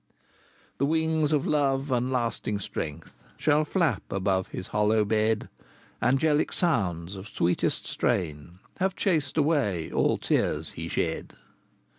V. The wings of love and lasting strength Shall flap above his hollow bed; Angelic sounds of sweetest strain Have chased away all tears he shed.